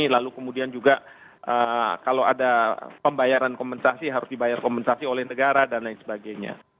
lalu kemudian juga kalau ada pembayaran kompensasi harus dibayar kompensasi oleh negara dan lain sebagainya